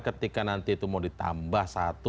ketika nanti itu mau ditambah satu